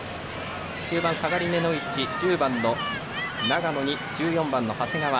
中盤、下がりめの位置１０番の長野に１４番の長谷川。